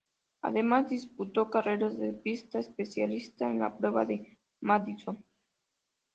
Además, disputó carreras de pista, especialista en la prueba de madison.